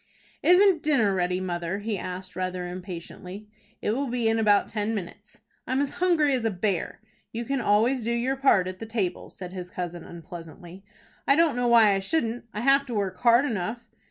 "Isn't dinner ready, mother?" he asked, rather impatiently. "It will be in about ten minutes." "I'm as hungry as a bear." "You can always do your part at the table," said his cousin unpleasantly. "I don't know why I shouldn't. I have to work hard enough."